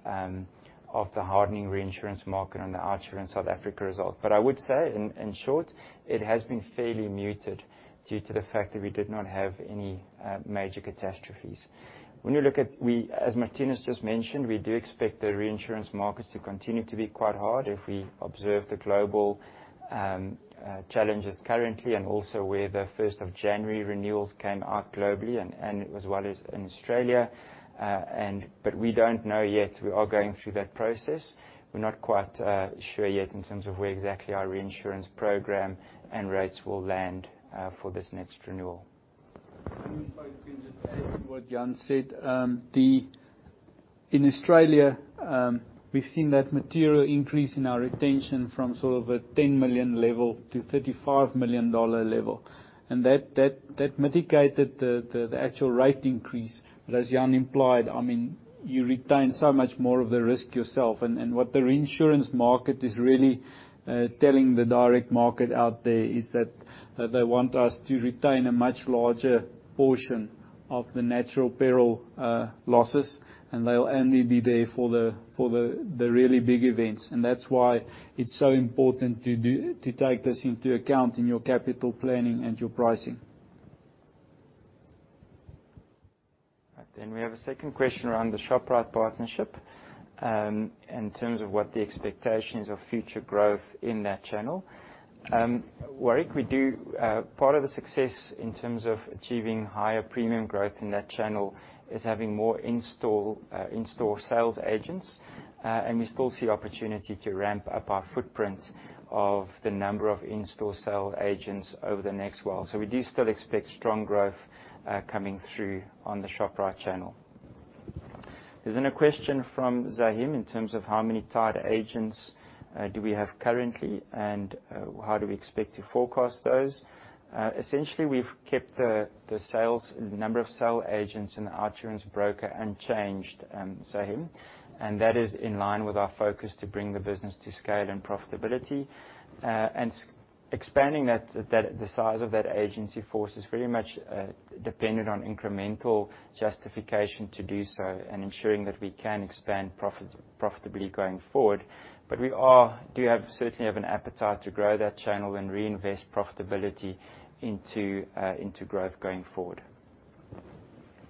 hardening reinsurance market on the [Archerson's] South Africa result. I would say in short, it has been fairly muted due to the fact that we did not have any major catastrophes. When you look at, as Marthinus just mentioned, we do expect the reinsurance markets to continue to be quite hard if we observe the global challenges currently and also where the 1st of January renewals came out globally and as well as in Australia. We don't know yet. We are going through that process. We're not quite sure yet in terms of where exactly our reinsurance program and rates will land, for this next renewal. If I can just add to what Jan said. In Australia, we've seen that material increase in our retention from sort of a 10 million level-ZAR35 million dollar level. That mitigated the actual rate increase. As Jan implied, I mean, you retain so much more of the risk yourself. What the reinsurance market is really telling the direct market out there is that they want us to retain a much larger portion of the natural peril losses, and they'll only be there for the really big events. That's why it's so important to take this into account in your capital planning and your pricing. Right. We have a second question around the Shoprite partnership in terms of what the expectations of future growth in that channel. Warwick, we do part of the success in terms of achieving higher premium growth in that channel is having more in-store sales agents. We still see opportunity to ramp up our footprint of the number of in-store sale agents over the next while. We do still expect strong growth coming through on the Shoprite channel. There's then a question from Zaheem in terms of how many tied agents do we have currently, and how do we expect to forecast those. Essentially, we've kept the number of sale agents and the [Archerson's] broker unchanged, Zaheem, that is in line with our focus to bring the business to scale and profitability. Expanding that, the size of that agency force is very much dependent on incremental justification to do so and ensuring that we can expand profits profitably going forward. we certainly have an appetite to grow that channel and reinvest profitability into growth going forward.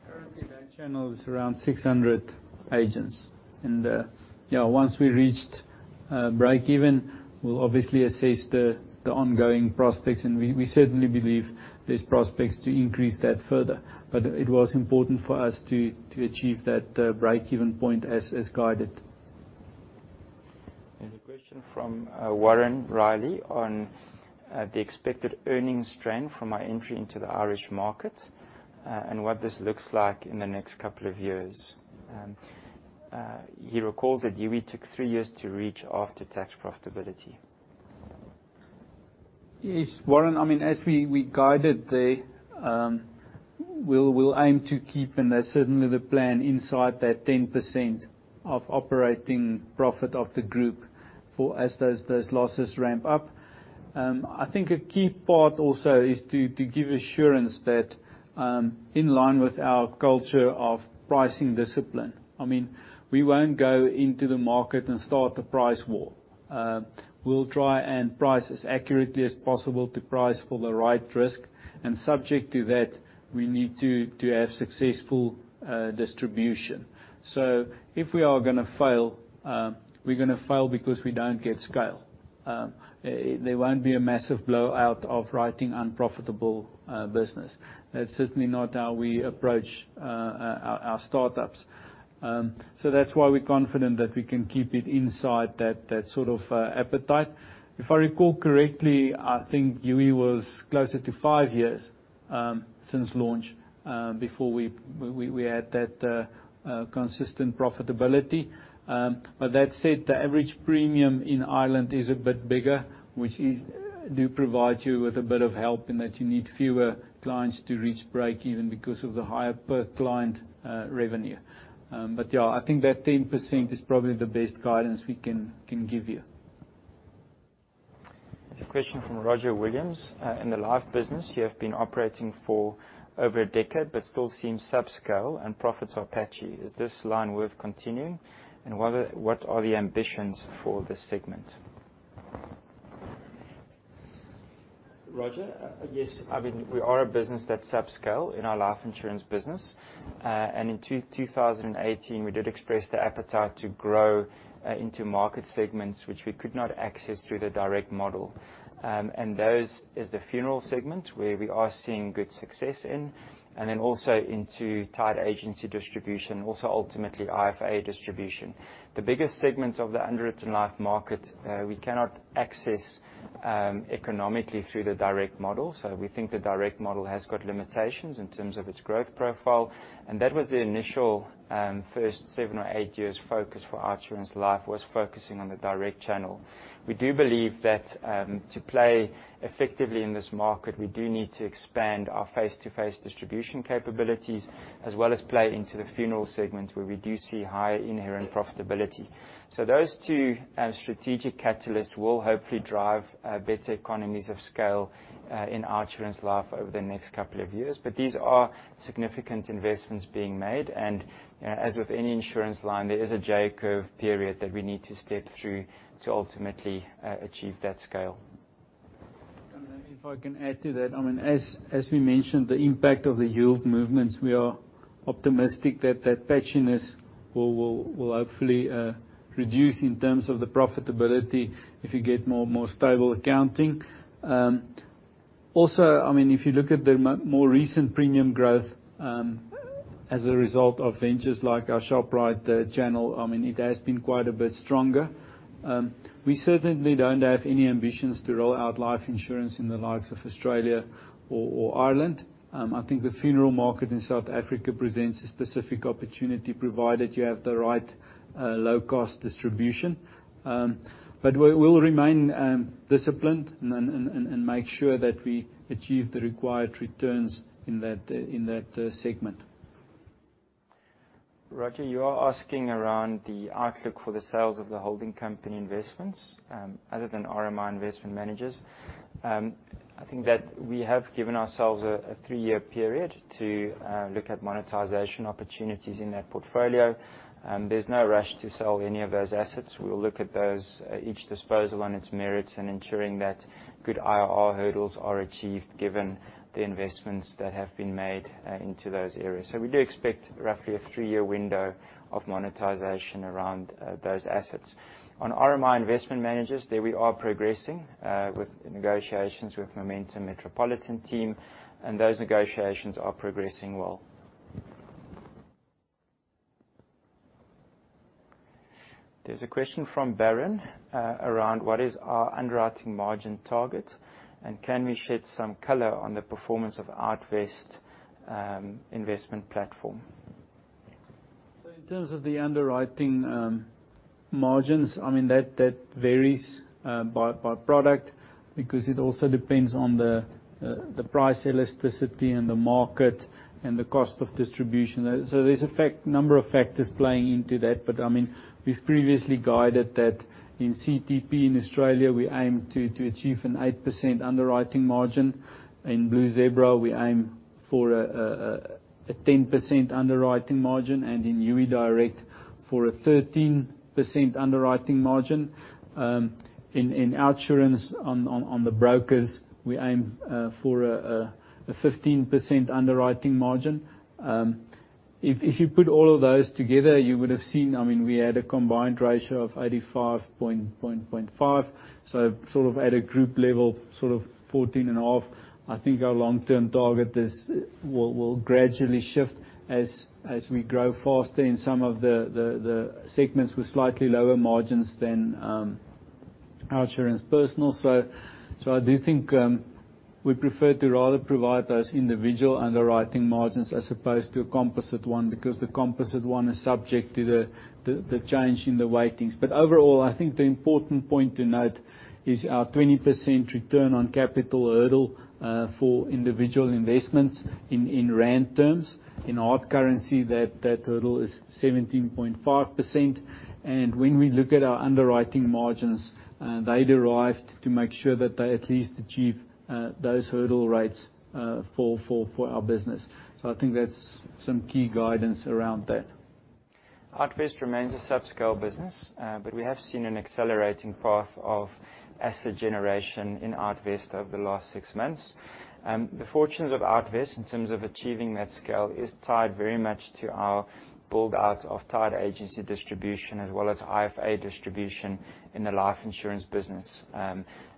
Currently, that channel is around 600 agents. Yeah, once we reached breakeven, we'll obviously assess the ongoing prospects, and we certainly believe there's prospects to increase that further. It was important for us to achieve that breakeven point as guided. There's a question from Warren Riley on the expected earnings trend from our entry into the Irish market, and what this looks like in the next couple of years. He recalls that Youi took three years to reach after-tax profitability. Yes. Warren, I mean, as we guided there, we'll aim to keep, and that's certainly the plan, inside that 10% of operating profit of the group for as those losses ramp up. I think a key part also is to give assurance that, in line with our culture of pricing discipline. I mean, we won't go into the market and start a price war. We'll try and price as accurately as possible to price for the right risk. Subject to that, we need to have successful distribution. If we are gonna fail, we're gonna fail because we don't get scale. There won't be a massive blowout of writing unprofitable business. That's certainly not how we approach our startups. That's why we're confident that we can keep it inside that sort of appetite. If I recall correctly, I think Youi was closer to five years since launch before we had that consistent profitability. That said, the average premium in Ireland is a bit bigger, which do provide you with a bit of help in that you need fewer clients to reach breakeven because of the higher per client revenue. I think that 10% is probably the best guidance we can give you. There's a question from Roger Williams. In the life business, you have been operating for over a decade, still seem subscale and profits are patchy. Is this line worth continuing? What are the ambitions for this segment? Roger, yes, I mean, we are a business that's subscale in our life insurance business. In 2018, we did express the appetite to grow into market segments which we could not access through the direct model. Those is the funeral segment, where we are seeing good success in. Also into tied agency distribution, also ultimately IFA distribution. The biggest segment of the underwritten life market, we cannot access economically through the direct model. We think the direct model has got limitations in terms of its growth profile. That was the initial first seven or eight years focus for OUTsurance Life was focusing on the direct channel. We do believe that, to play effectively in this market, we do need to expand our face-to-face distribution capabilities, as well as play into the funeral segment, where we do see higher inherent profitability. Those two strategic catalysts will hopefully drive better economies of scale in OUTsurance Life over the next couple of years. These are significant investments being made. As with any insurance line, there is a J-curve period that we need to step through to ultimately achieve that scale. If I can add to that. I mean, as we mentioned, the impact of the yield movements, we are optimistic that patchiness will hopefully reduce in terms of the profitability if you get more stable accounting. Also, I mean, if you look at the more recent premium growth, as a result of ventures like our Shoprite channel, I mean, it has been quite a bit stronger. We certainly don't have any ambitions to roll out life insurance in the likes of Australia or Ireland. I think the funeral market in South Africa presents a specific opportunity, provided you have the right, low-cost distribution. We'll remain disciplined and make sure that we achieve the required returns in that, in that segment. Roger, you are asking around the outlook for the sales of the holding company investments, other than RMI Investment Managers. I think that we have given ourselves a three-year period to look at monetization opportunities in that portfolio. There's no rush to sell any of those assets. We'll look at those, each disposal on its merits and ensuring that good IRR hurdles are achieved, given the investments that have been made into those areas. We do expect roughly a three-year window of monetization around those assets. On RMI Investment Managers, there we are progressing with negotiations with Momentum Metropolitan team, and those negotiations are progressing well. There's a question from Barron around what is our underwriting margin target, and can we shed some color on the performance of OUTvest investment platform? In terms of the underwriting margins, that varies by product, because it also depends on the price elasticity and the market and the cost of distribution. There's a number of factors playing into that. We've previously guided that in CTP in Australia, we aim to achieve an 8% underwriting margin. In Blue Zebra, we aim for a 10% underwriting margin, and in Youi Direct for a 13% underwriting margin. In OUTsurance on the brokers, we aim for a 15% underwriting margin. If you put all of those together, you would have seen we had a combined ratio of 85.5%. At a group level, 14.5%. I think our long-term target is, will gradually shift as we grow faster in some of the segments with slightly lower margins than OUTsurance Personal. I do think we prefer to rather provide those individual underwriting margins as opposed to a composite one, because the composite one is subject to the change in the weightings. Overall, I think the important point to note is our 20% return on capital hurdle for individual investments in rand terms. In hard currency that total is 17.5%. When we look at our underwriting margins, they derived to make sure that they at least achieve those hurdle rates for our business. I think that's some key guidance around that. OUTvest remains a subscale business. We have seen an accelerating path of asset generation in OUTvest over the last six months. The fortunes of OUTvest in terms of achieving that scale is tied very much to our build-out of tied agency distribution as well as IFA distribution in the life insurance business.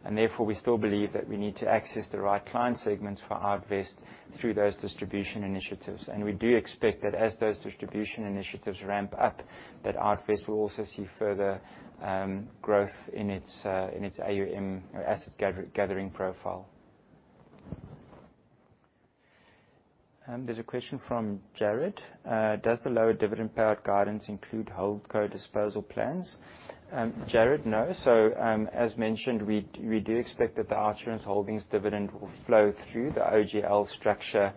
Therefore, we still believe that we need to access the right client segments for OUTvest through those distribution initiatives. We do expect that as those distribution initiatives ramp up, that OUTvest will also see further growth in its AUM or asset gathering profile. There's a question from Jared. Does the lower dividend payout guidance include Holdco disposal plans? Jared, no. As mentioned, we do expect that the OUTsurance Holdings dividend will flow through the OGL structure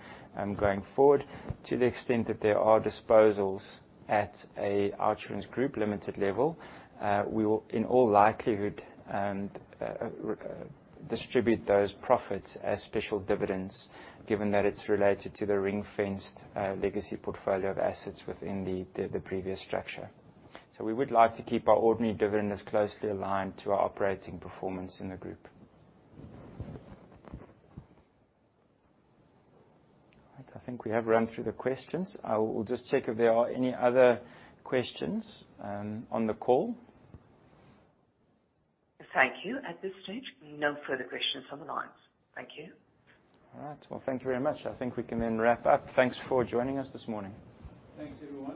going forward. To the extent that there are disposals at an OUTsurance Group Limited level, we will, in all likelihood, distribute those profits as special dividends, given that it's related to the ring-fenced legacy portfolio of assets within the previous structure. We would like to keep our ordinary dividends closely aligned to our operating performance in the group. Right. I think we have run through the questions. I will just check if there are any other questions on the call. Thank you. At this stage, no further questions on the lines. Thank you. All right. Well, thank you very much. I think we can then wrap up. Thanks for joining us this morning. Thanks, everyone.